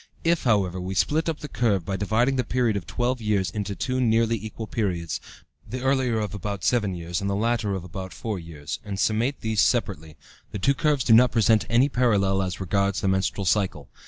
If, however, we split up the curve by dividing the period of twelve years into two nearly equal periods, the earlier of about seven years and the latter of about four years, and summate these separately, the two curves do not present any parallel as regards the menstrual cycle.